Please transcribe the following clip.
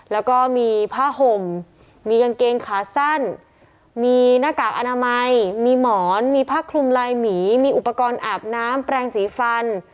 แล้วก็มีผ้าห่มมีกางเกงขาสั้นมีหน้ากากอนามัยมีหมอนมีผ้าคลุมลายหมีมีอุปกรณ์อาบน้ำแปลงสีฟัน